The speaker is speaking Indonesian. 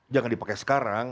jangan dipakai sekarang